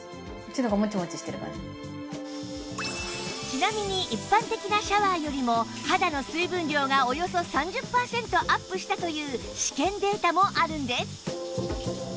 ちなみに一般的なシャワーよりも肌の水分量がおよそ３０パーセントアップしたという試験データもあるんです